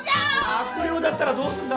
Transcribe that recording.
悪霊だったらどうすんだ？